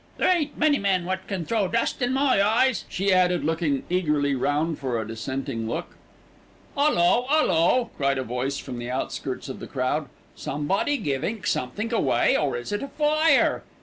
There ain't many men wot can throw dust in my eyes," she added, looking eagerly round for a dissenting look. "'Ullo, 'ullo!" cried a voice from the outskirts of the crowd. "Somebody givin' somethink away, or is it a fire?